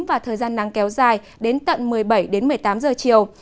và thời gian nắng kéo dài đến tận một mươi bảy đến một mươi tám giờ chiều